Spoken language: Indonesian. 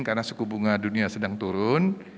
karena suku bunga dunia sedang turun